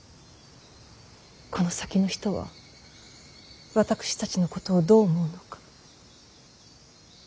この先の人は私たちのことをどう思うのか。